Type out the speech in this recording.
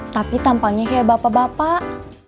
tapi tampaknya kayak bapak bapak